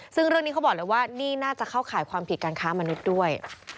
ซึ่งเรื่องนี้เขาบอกเลยว่านี่น่าจะเข้าข่ายความผิดการค้ามนุษย์ด้วย